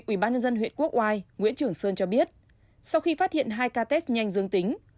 ủy ban nhân dân huyện quốc oai nguyễn trường sơn cho biết sau khi phát hiện hai ca test nhanh dương tính